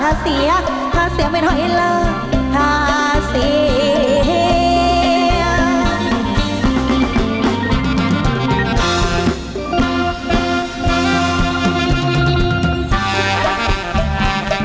ขาเสียขาเสียไม่ไหลเลอะขาเสีย